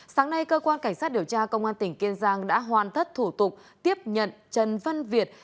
sáng nay cơ quan cảnh sát điều tra công an tỉnh kiên giang đã hoàn thất thủ tục tiếp nhận trần văn việt